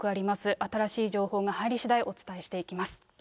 新しい情報が入りしだい、お伝えしていきます。